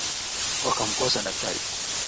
Wakamkosa daktari